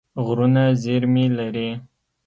غرونه زېرمې لري.